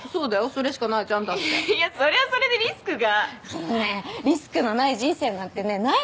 それしかないじゃんだっていやそれはそれでリスクがお前リスクのない人生なんてねないわよ